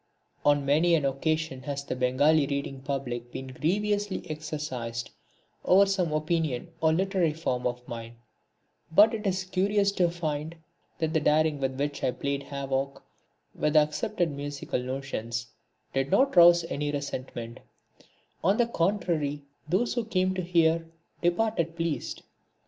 On many an occasion has the Bengali reading public been grievously exercised over some opinion or literary form of mine, but it is curious to find that the daring with which I had played havoc with accepted musical notions did not rouse any resentment; on the contrary those who came to hear departed pleased.